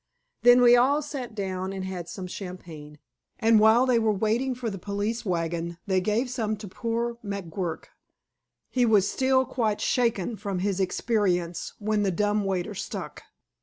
Then we all sat down and had some champagne, and while they were waiting for the police wagon, they gave some to poor McGuirk. He was still quite shaken from his experience when the dumb waiter stuck.